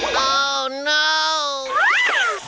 ถอยอย่างไม่แล้ว